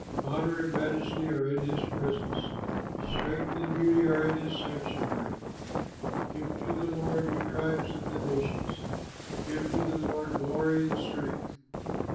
Honor and majesty are in his presence, Strength and beauty are in his sanctuary. Give to the Lord, you tribes of the nations, Give to the Lord glory and strength.